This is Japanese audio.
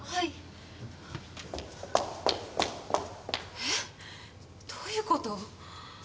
えっどういう事！？